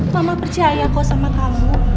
mama percaya kok sama kamu